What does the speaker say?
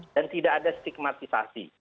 dan tidak ada stigmatisasi